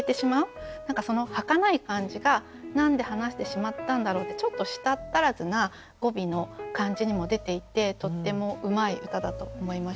何かはかない感じが「なんで話してしまったんだろ」ってちょっと舌っ足らずな語尾の感じにも出ていてとってもうまい歌だと思いました。